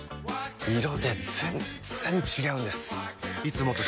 色で全然違うんです！